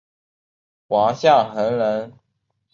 王象恒人。